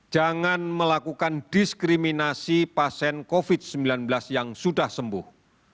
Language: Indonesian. jangan melakukan diskriminasi pasien covid sembilan belas yang sudah sembuh